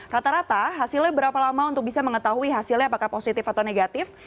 rata rata hasilnya berapa lama untuk bisa mengetahui hasilnya apakah positif atau negatif